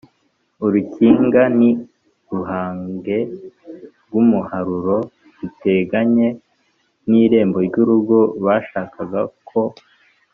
Urukinga: ni uruhange rw'umuharuro ruteganye n'irembo ry'urugo. Bashakaga ko